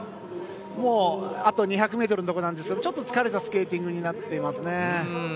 あと２００ｍのところでちょっと疲れたスケーティングになっていますね。